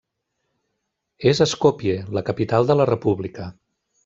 És a Skopje, la capital de la república.